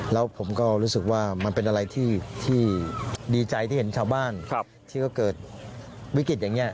แล้วผมก็รู้สึกว่ามันเป็นอะไรที่ดีใจที่เห็นชาวบ้านที่เขาเกิดวิกฤตอย่างนี้